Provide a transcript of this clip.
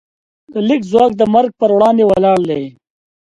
د لیک ځواک د مرګ پر وړاندې ولاړ دی.